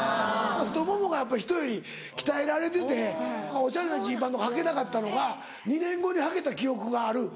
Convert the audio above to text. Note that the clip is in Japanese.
太ももがやっぱりひとより鍛えられてておしゃれなジーパンとかはけなかったのが２年後にはけた記憶がある。